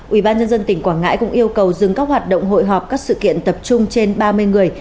ubnd tỉnh quảng ngãi cũng yêu cầu dừng các hoạt động hội họp các sự kiện tập trung trên ba mươi người